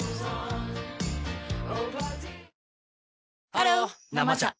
ハロー「生茶」